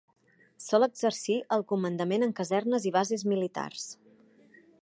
Sol exercir el comandament en casernes i bases militars.